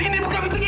ini buka pintunya